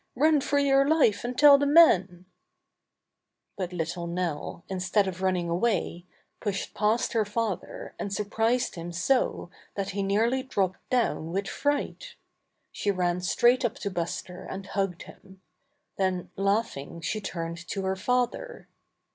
Run for your life and tell the men!" 117 Buster Tries to Escape But little Nell, instead of running away, pushed past her father and surprised him so that he nearly dropped down with fright She ran straight up to Buster and hugged him. Then laughing she turned to her father.